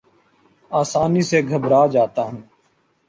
آسانی سے گھبرا جاتا ہوں